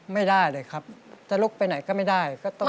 ไม่ได้เลยครับจะลุกไปไหนก็ไม่ได้